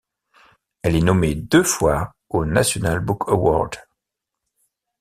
Elle est nommée deux fois au National Book Award.